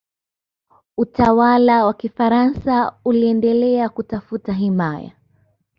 utawala wa kifaransa uliendelea kutafuta himaya